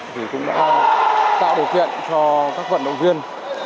thì cũng đã tạo điều kiện cho các vận động viên